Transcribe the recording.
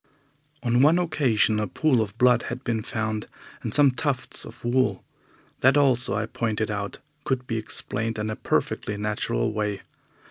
On one occasion a pool of blood had been found, and some tufts of wool. That also, I pointed out, could be explained in a perfectly natural way.